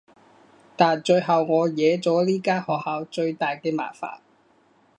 但最後我惹咗呢間學校最大嘅麻煩